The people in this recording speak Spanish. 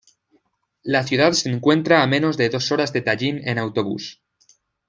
La ciudad se encuentra a menos de dos horas de Tallin en autobús.